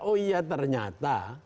oh iya ternyata